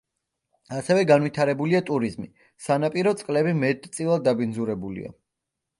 ასევე განვითარებულია ტურიზმი, სანაპირო წყლები მეტწილად დაბინძურებულია.